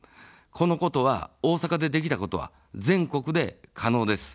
このことは、大阪でできたことは全国で可能です。